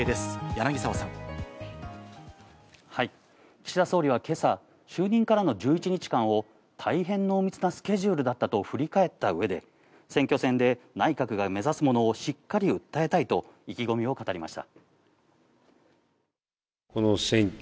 岸田総理は今朝、就任からの１１日間を大変濃密なスケジュールだったと振り返った上で選挙戦で内閣が目指すものをしっかり訴えたいと意気込みを語りました。